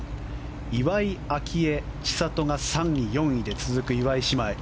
岩井明愛、千怜が３位、４位で続く岩井姉妹。